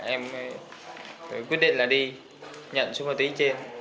em quyết định là đi nhận số ma túy trên